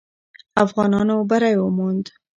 افغانانو بری وموند.